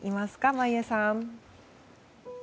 眞家さん。